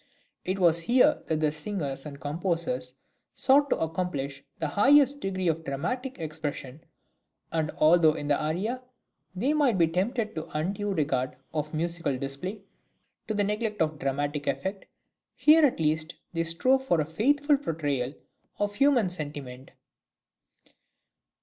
It was here that singers and composers sought to accomplish the highest degree of dramatic expression, and although in the aria they might be tempted to an undue regard for musical display, to the neglect of dramatic effect, here at least they strove for a faithful portrayal of human sentiment.